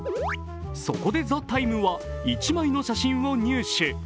そこで、「ＴＨＥＴＩＭＥ，」は１枚の写真を入手。